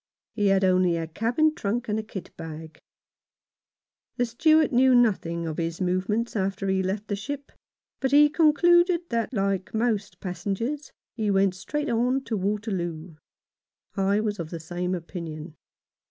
He had only a cabin trunk and a kit bag. The Steward knew nothing of his move ments after he left the ship, but he concluded 1 20 jFohn Faunces Experiences. No. 29. that, like most passengers, he went straight on to Waterloo. I was of the same opinion.